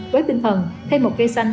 với tinh thần thay một cây xanh